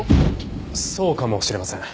そうかもしれません。